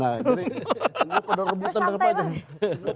nanti sampai pak